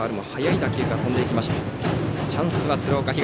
チャンスは鶴岡東。